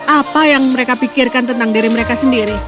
apa yang mereka pikirkan tentang diri mereka sendiri